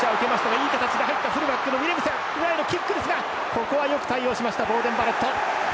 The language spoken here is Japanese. ここはよく対応しましたボーデン・バレット。